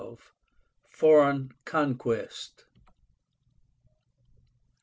FOREIGN CONQUEST.